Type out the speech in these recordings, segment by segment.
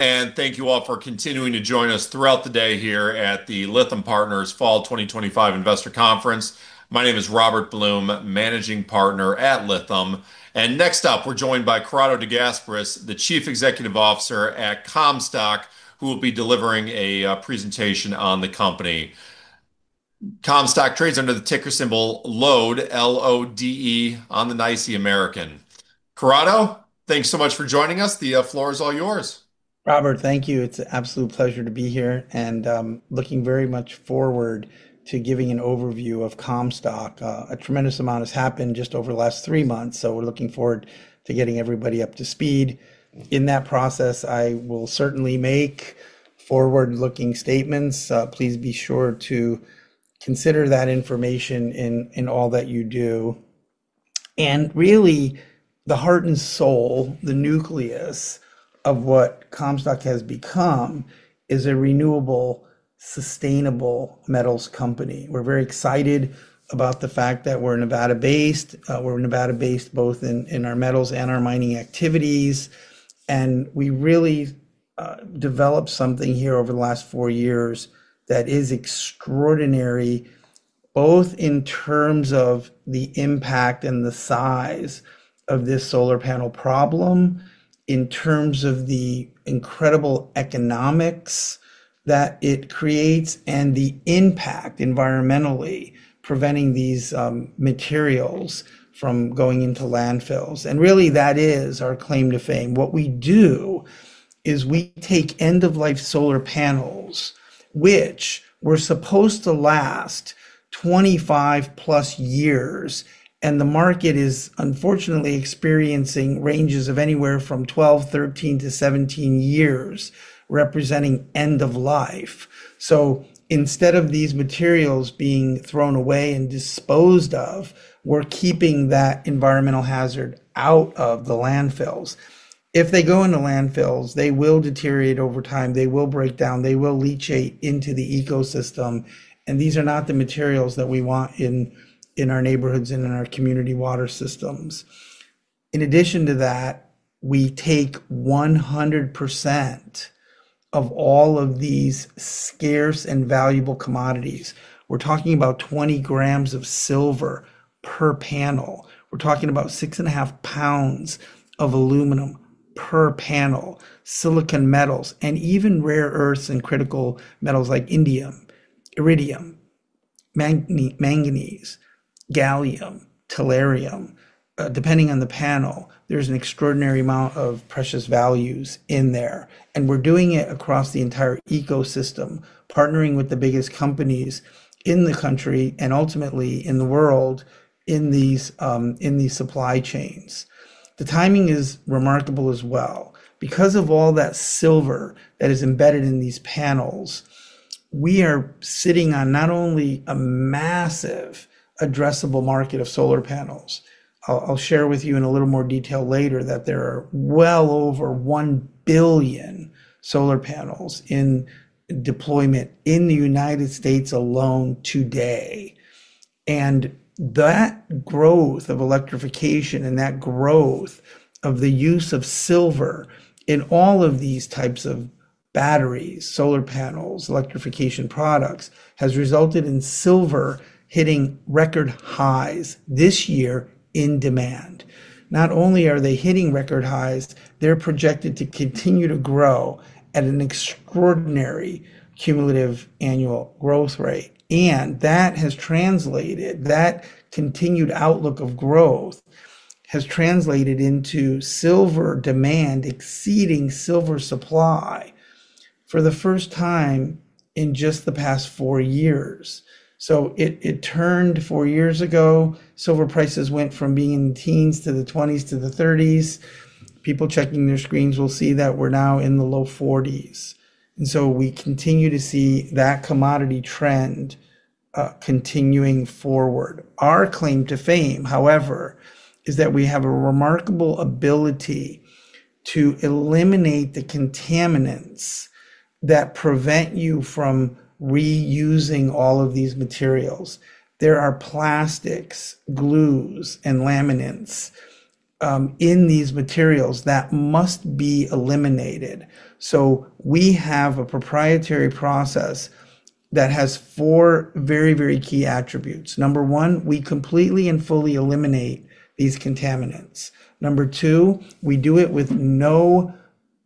Thank you all for continuing to join us throughout the day here at the Lithium Partners Fall 2025 Investor Conference. My name is Robert Blum, Managing Partner at Lytham. Next up, we're joined by Corrado DeGasperis, the Chief Executive Officer at Comstock, who will be delivering a presentation on the Comstock trades under the ticker symbol LODE, L-O-D-E, on the NYSE American. Corrado, thanks so much for joining us. The floor is all yours. Robert, thank you. It's an absolute pleasure to be here and I'm looking very much forward to giving an overview of Comstock. A tremendous amount has happened just over the last three months, so we're looking forward to getting everybody up to speed. In that process, I will certainly make forward-looking statements. Please be sure to consider that information in all that you do. Really, the heart and soul, the nucleus of what Comstock has become is a renewable, sustainable metals company. We're very excited about the fact that we're Nevada-based. We're Nevada-based both in our metals and our mining activities. We really developed something here over the last four years that is extraordinary, both in terms of the impact and the size of this solar panel problem, in terms of the incredible economics that it creates and the impact environmentally preventing these materials from going into landfills. That is our claim to fame. What we do is we take end-of-life solar panels, which were supposed to last 25+ years, and the market is unfortunately experiencing ranges of anywhere from 12 years, 13 years-17 years representing end of life. Instead of these materials being thrown away and disposed of, we're keeping that environmental hazard out of the landfills. If they go into landfills, they will deteriorate over time. They will break down. They will leachate into the ecosystem. These are not the materials that we want in our neighborhoods and in our community water systems. In addition to that, we take 100% of all of these scarce and valuable commodities. We're talking about 20 g of silver per panel. We're talking about 6.5 lbs of aluminum per panel, silicon metals, and even rare earths and critical metals like indium, iridium, manganese, gallium, tellurium. Depending on the panel, there's an extraordinary amount of precious values in there. We're doing it across the entire ecosystem, partnering with the biggest companies in the country and ultimately in the world in these supply chains. The timing is remarkable as well. Because of all that silver that is embedded in these panels, we are sitting on not only a massive addressable market of solar panels. I'll share with you in a little more detail later that there are well over 1 billion solar panels in deployment in the U.S. alone today. That growth of electrification and that growth of the use of silver in all of these types of batteries, solar panels, electrification products has resulted in silver hitting record highs this year in demand. Not only are they hitting record highs, they're projected to continue to grow at an extraordinary cumulative annual growth rate. That continued outlook of growth has translated into silver demand exceeding silver supply for the first time in just the past four years. It turned four years ago, silver prices went from being in the teens to the 20s to the 30s. People checking their screens will see that we're now in the low 40s. We continue to see that commodity trend continuing forward. Our claim to fame, however, is that we have a remarkable ability to eliminate the contaminants that prevent you from reusing all of these materials. There are plastics, glues, and laminates in these materials that must be eliminated. We have a proprietary process that has four very, very key attributes. Number one, we completely and fully eliminate these contaminants. Number two, we do it with no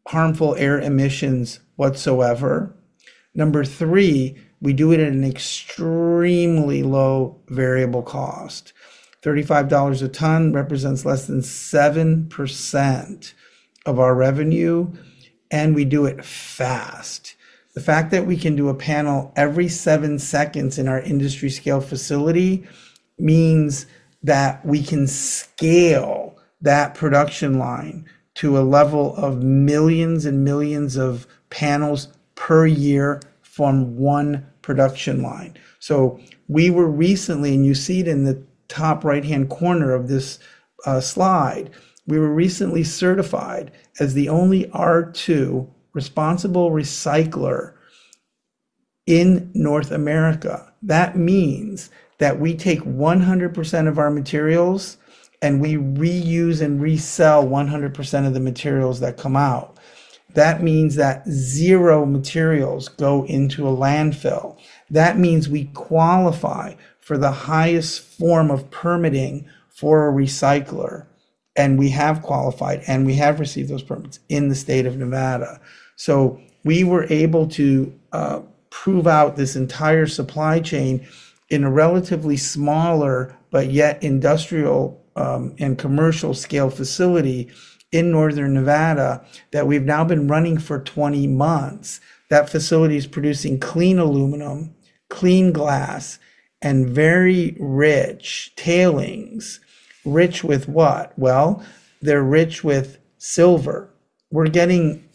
harmful air emissions whatsoever. Number three, we do it at an extremely low variable cost. $35 a ton represents less than 7% of our revenue, and we do it fast. The fact that we can do a panel every seven seconds in our industry-scale facility means that we can scale that production line to a level of millions and millions of panels per year from one production line. We were recently, and you see it in the top right-hand corner of this slide, we were recently certified as the only R2 responsible recycler in North America. That means that we take 100% of our materials and we reuse and resell 100% of the materials that come out. That means that zero materials go into a landfill. That means we qualify for the highest form of permitting for a recycler. We have qualified and we have received those permits in the state of Nevada. We were able to prove out this entire supply chain in a relatively smaller but yet industrial and commercial-scale facility in Northern Nevada that we've now been running for 20 months. That facility is producing clean aluminum, clean glass, and very rich tailings. Rich with what? They're rich with silver. We're getting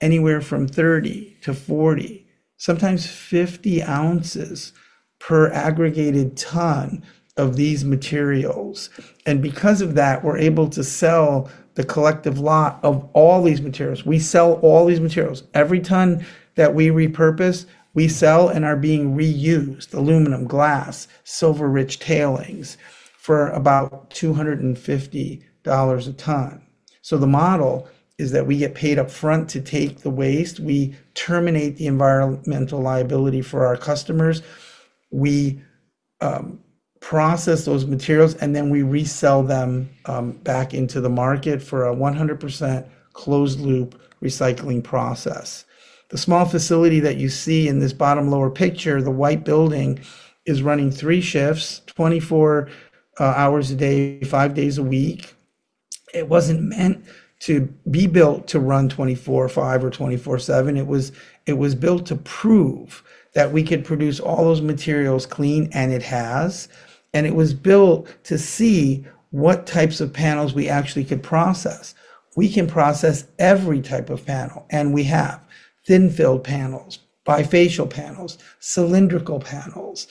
anywhere from 30 oz-40 oz, sometimes 50 oz per aggregated ton of these materials. Because of that, we're able to sell the collective lot of all these materials. We sell all these materials. Every ton that we repurpose, we sell and are being reused: aluminum, glass, silver-rich tailings for about $250 a ton. The model is that we get paid up front to take the waste. We terminate the environmental liability for our customers. We process those materials, and then we resell them back into the market for a 100% closed-loop recycling process. The small facility that you see in this bottom lower picture, the white building, is running three shifts, 24 hours a day, five days a week. It wasn't meant to be built to run 24/5 or 24/7. It was built to prove that we could produce all those materials clean, and it has. It was built to see what types of panels we actually could process. We can process every type of panel, and we have thin-film panels, bifacial panels, cylindrical panels,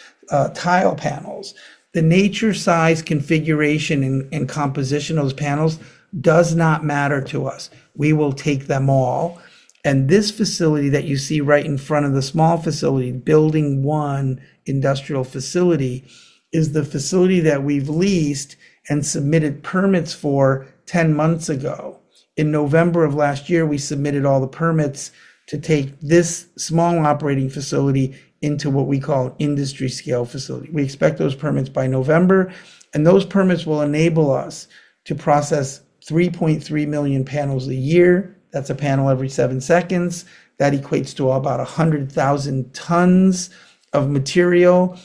tile panels. The nature, size, configuration, and composition of those panels does not matter to us. We will take them all. This facility that you see right in front of the small facility, Building 1 Industrial Facility, is the facility that we've leased and submitted permits for 10 months ago. In November of last year, we submitted all the permits to take this small operating facility into what we call an industry-scale facility. We expect those permits by November, and those permits will enable us to process 3.3 million panels a year. That's a panel every seven seconds. That equates to about 100,000 tons of material.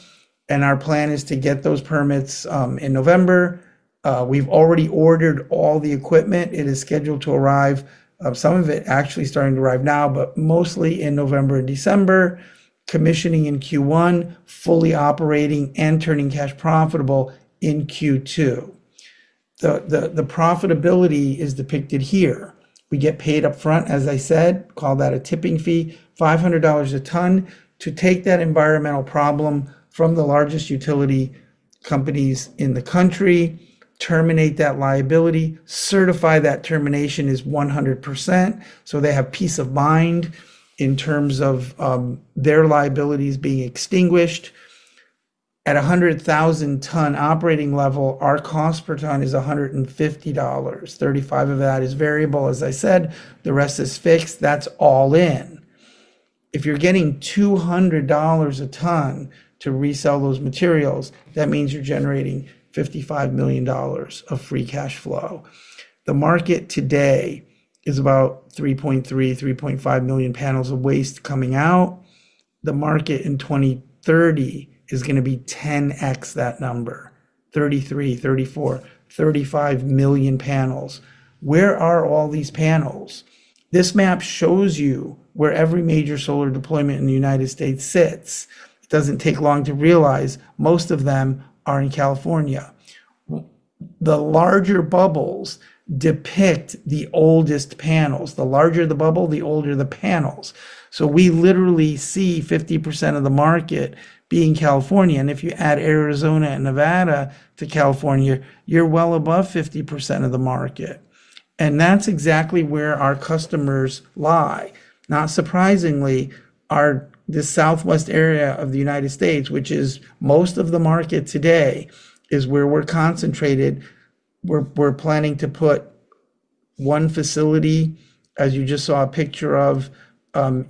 Our plan is to get those permits in November. We've already ordered all the equipment. It is scheduled to arrive. Some of it is actually starting to arrive now, but mostly in November and December, commissioning in Q1, fully operating and turning cash profitable in Q2. The profitability is depicted here. We get paid up front, as I said, call that a tipping fee, $500 a ton, to take that environmental problem from the largest utility companies in the country, terminate that liability. Certify that termination is 100%. They have peace of mind in terms of their liabilities being extinguished. At 100,000 ton operating level, our cost per ton is $150. 35 of that is variable, as I said. The rest is fixed. That's all in. If you're getting $200 a ton to resell those materials, that means you're generating $55 million of free cash flow. The market today is about 3.3 million, 3.5 million panels of waste coming out. The market in 2030 is going to be 10x that number: 33 million, 34 million, 35 million panels. Where are all these panels? This map shows you where every major solar deployment in the United States sits. It doesn't take long to realize most of them are in California. The larger bubbles depict the oldest panels. The larger the bubble, the older the panels. We literally see 50% of the market being California. If you add Arizona and Nevada to California, you're well above 50% of the market. That's exactly where our customers lie. Not surprisingly, this southwest area of the United States, which is most of the market today, is where we're concentrated. We're planning to put one facility, as you just saw a picture of,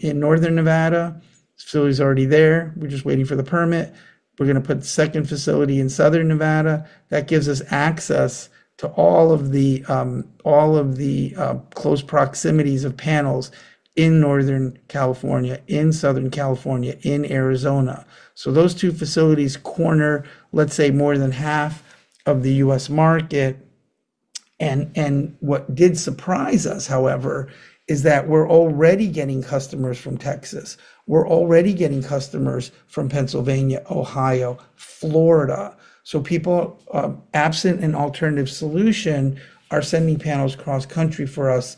in Northern Nevada. The facility is already there. We're just waiting for the permit. We're going to put the second facility in Southern Nevada. That gives us access to all of the close proximities of panels in Northern California, in Southern California, in Arizona. Those two facilities corner, let's say, more than half of the U.S. market. What did surprise us, however, is that we're already getting customers from Texas. We're already getting customers from Pennsylvania, Ohio, Florida. People absent an alternative solution are sending panels cross-country for us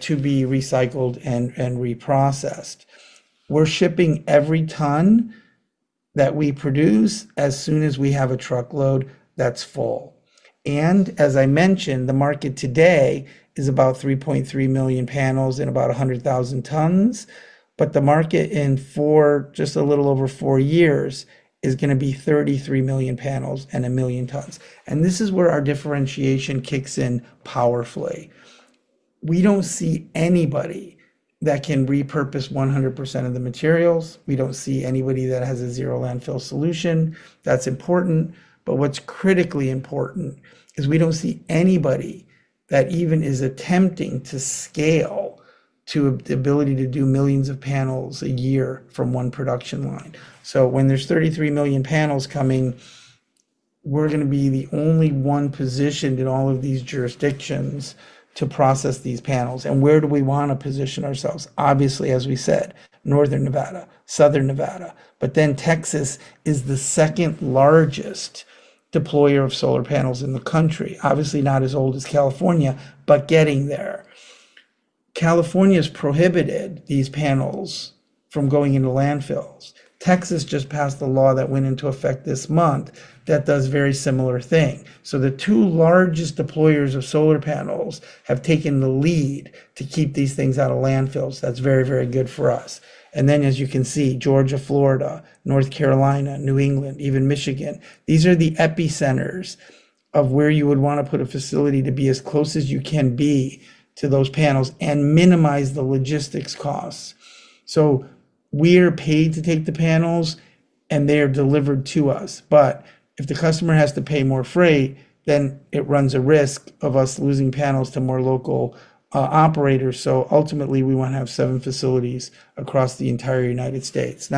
to be recycled and reprocessed. We're shipping every ton that we produce as soon as we have a truckload that's full. As I mentioned, the market today is about 3.3 million panels and about 100,000 tons. The market in just a little over four years is going to be 33 million panels and a million tons. This is where our differentiation kicks in powerfully. We don't see anybody that can repurpose 100% of the materials. We don't see anybody that has a zero landfill solution. That's important. What's critically important is we don't see anybody that even is attempting to scale to the ability to do millions of panels a year from one production line. When there's 33 million panels coming, we're going to be the only one positioned in all of these jurisdictions to process these panels. Where do we want to position ourselves? Obviously, as we said, Northern Nevada, Southern Nevada. Texas is the second largest deployer of solar panels in the country. Obviously, not as old as California, but getting there. California has prohibited these panels from going into landfills. Texas just passed a law that went into effect this month that does a very similar thing. The two largest deployers of solar panels have taken the lead to keep these things out of landfills. That's very, very good for us. As you can see, Georgia, Florida, North Carolina, New England, even Michigan, these are the epicenters of where you would want to put a facility to be as close as you can be to those panels and minimize the logistics costs. We are paid to take the panels, and they are delivered to us. If the customer has to pay more freight, then it runs a risk of us losing panels to more local operators. Ultimately, we want to have seven facilities across the entire United States.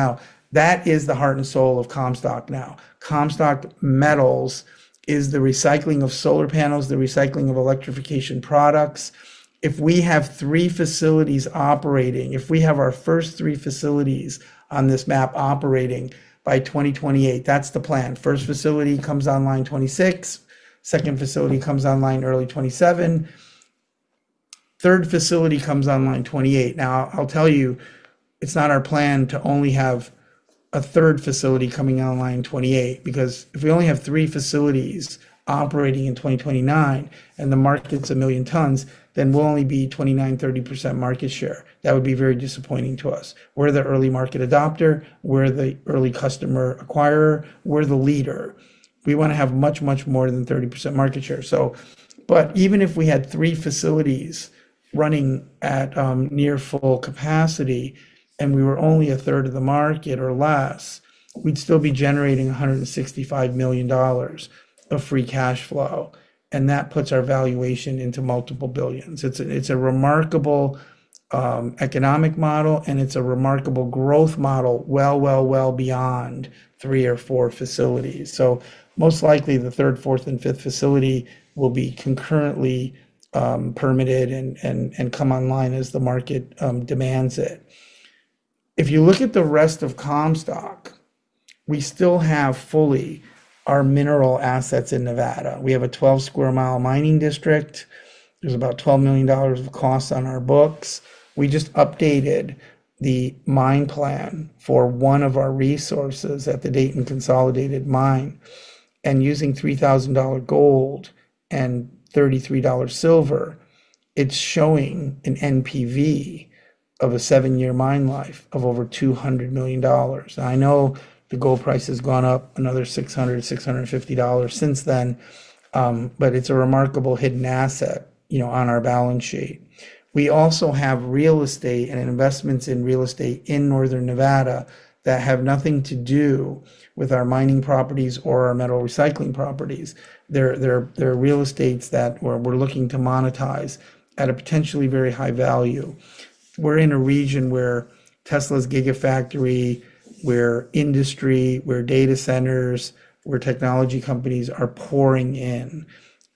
That is the heart and soul of Comstock. Comstock Metals is the recycling of solar panels, the recycling of electrification products. If we have three facilities operating, if we have our first three facilities on this map operating by 2028, that's the plan. First facility comes online 2026. Second facility comes online early 2027. Third facility comes online 2028. I'll tell you, it's not our plan to only have a third facility coming online 2028, because if we only have three facilities operating in 2029 and the market's a million tons, then we'll only be 29%, 30% market share. That would be very disappointing to us. We're the early market adopter. We're the early customer acquirer. We're the leader. We want to have much, much more than 30% market share. Even if we had three facilities running at near full capacity and we were only a third of the market or less, we'd still be generating $165 million of free cash flow. That puts our valuation into multiple billions. It's a remarkable economic model, and it's a remarkable growth model, well beyond three or four facilities. Most likely, the third, fourth, and fifth facility will be concurrently permitted and come online as the market demands it. If you look at the rest of Comstock, we still have fully our mineral assets in Nevada. We have a 12 sq mi mining district. There's about $12 million of costs on our books. We just updated the mine plan for one of our resources at the Dayton Consolidated Mine. Using $3,000 gold and $33 silver, it's showing an NPV of a seven-year mine life of over $200 million. I know the gold price has gone up another $600, $650 since then, but it's a remarkable hidden asset on our balance sheet. We also have real estate and investments in real estate in Northern Nevada that have nothing to do with our mining properties or our metal recycling properties. They're real estates that we're looking to monetize at a potentially very high value. We're in a region where Tesla's Gigafactory, where industry, where data centers, where technology companies are pouring in.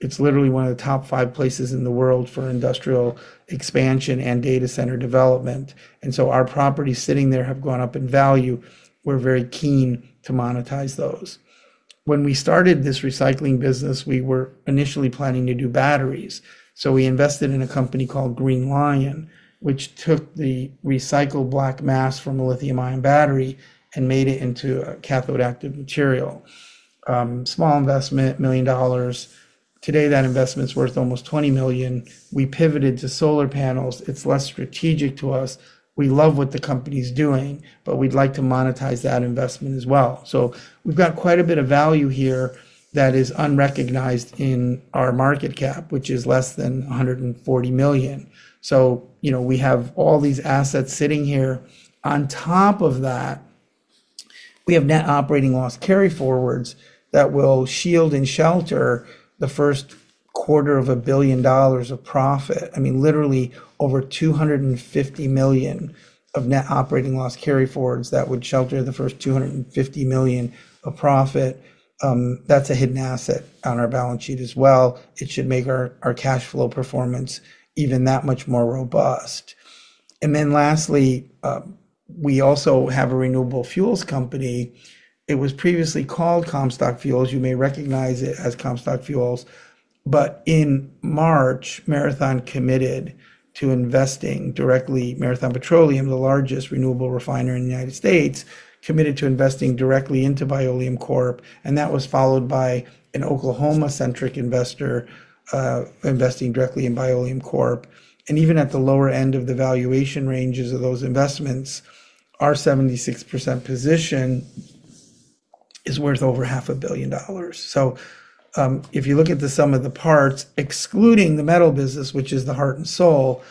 It's literally one of the top five places in the world for industrial expansion and data center development. Our properties sitting there have gone up in value. We're very keen to monetize those. When we started this recycling business, we were initially planning to do batteries. We invested in a company called Green Li-ion, which took the recycled black mass from a lithium-ion battery and made it into a cathode-active material. Small investment, $1 million. Today, that investment's worth almost $20 million. We pivoted to solar panels. It's less strategic to us. We love what the company's doing, but we'd like to monetize that investment as well. We've got quite a bit of value here that is unrecognized in our market cap, which is less than $140 million. We have all these assets sitting here. On top of that, we have net operating loss carryforwards that will shield and shelter the first quarter of a billion dollars of profit. I mean, literally over $250 million of net operating loss carryforwards that would shelter the first $250 million of profit. That's a hidden asset on our balance sheet as well. It should make our cash flow performance even that much more robust. Lastly, we also have a renewable fuels company. It was previously called Comstock Fuels. You may recognize it as Comstock Fuels. In March, Marathon committed to investing directly. Marathon Petroleum, the largest renewable refiner in the United States, committed to investing directly into Bioleum Corp That was followed by an Oklahoma-centric investor investing directly in Bioleum Corp Even at the lower end of the valuation ranges of those investments, our 76% position is worth over half a billion dollars. If you look at the sum of the parts, excluding the metal business, which is the heart and soul,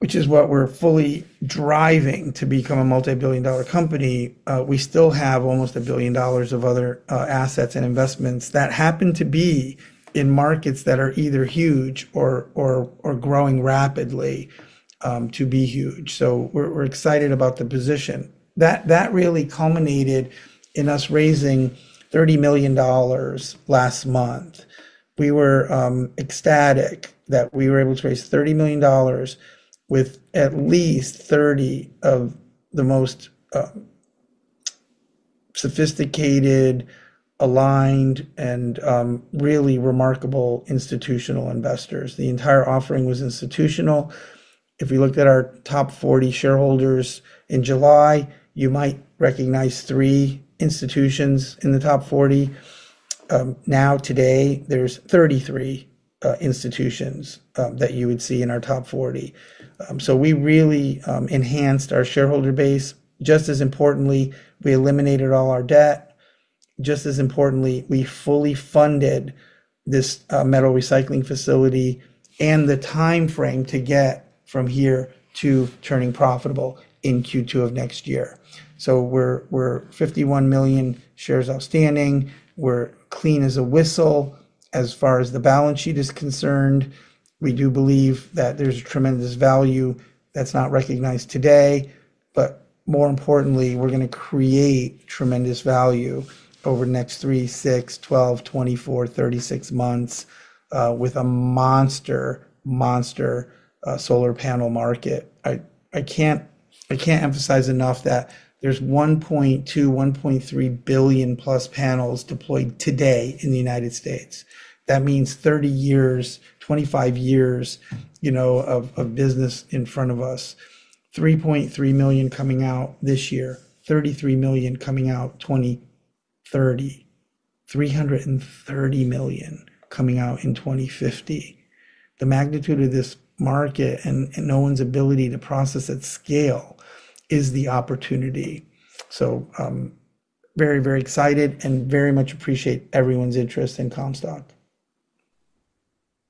which is what we're fully driving to become a multi-billion dollar company, we still have almost a billion dollars of other assets and investments that happen to be in markets that are either huge or growing rapidly to be huge. We're excited about the position. That really culminated in us raising $30 million last month. We were ecstatic that we were able to raise $30 million with at least 30 of the most sophisticated, aligned, and really remarkable institutional investors. The entire offering was institutional. If you looked at our top 40 shareholders in July, you might recognize three institutions in the top 40. Now, today, there's 33 institutions that you would see in our top 40. We really enhanced our shareholder base. Just as importantly, we eliminated all our debt. Just as importantly, we fully funded this metal recycling facility and the timeframe to get from here to turning profitable in Q2 of next year. We're 51 million shares outstanding. We're clean as a whistle as far as the balance sheet is concerned. We do believe that there's tremendous value that's not recognized today. More importantly, we're going to create tremendous value over the next 3 months, 6 months, 12 months, 24 months, 36 months with a monster, monster solar panel market. I can't emphasize enough that there's 1.2, 1.3 billion plus panels deployed today in the U.S. That means 30 years, 25 years, you know, of business in front of us. 3.3 million coming out this year, 33 million coming out 2030, 330 million coming out in 2050. The magnitude of this market and no one's ability to process at scale is the opportunity. Very, very excited and very much appreciate everyone's interest in Comstock.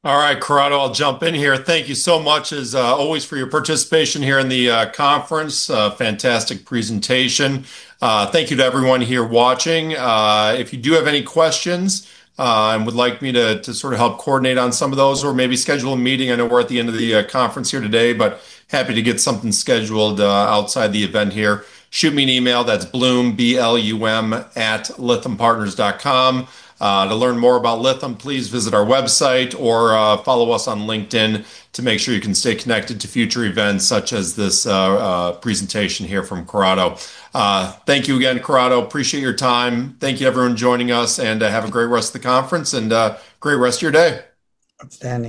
All right, Corrado, I'll jump in here. Thank you so much, as always, for your participation here in the conference. Fantastic presentation. Thank you to everyone here watching. If you do have any questions and would like me to sort of help coordinate on some of those or maybe schedule a meeting, I know we're at the end of the conference here today, but happy to get something scheduled outside the event here. Shoot me an email. That's blum@lythampartners.com. To learn more about Lytham, please visit our website or follow us on LinkedIn to make sure you can stay connected to future events such as this presentation here from Corrado. Thank you again, Corrado. Appreciate your time. Thank you, everyone, joining us, and have a great rest of the conference and a great rest of your day. Thanks.